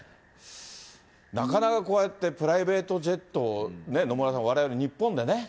なかなかこうやってプライベートジェット、ね、野村さん、われわれ、日本でね。